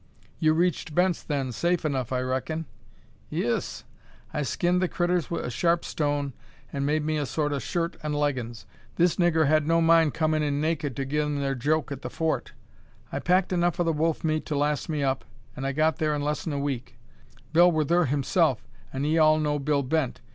"You reached Bent's then safe enough, I reckin?" "'Ee es. I skinned the critters wi' a sharp stone, an' made me a sort o' shirt an' leggins. This niggur had no mind, comin' in naked, to gi' them thur joke at the Fort. I packed enough of the wolf meat to last me up, an' I got there in less'n a week. Bill wur thur himself, an' 'ee all know Bill Bent.